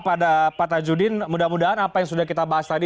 pada pak tajudin mudah mudahan apa yang sudah kita bahas tadi